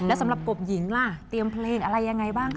แล้วสำหรับกบหญิงล่ะเตรียมเพลงอะไรยังไงบ้างคะ